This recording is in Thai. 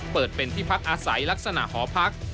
เปิดเป็นที่พักอาศัยลักษณะหอพัก